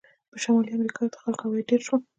په شمالي امریکا کې د خلکو عواید ډېر شول.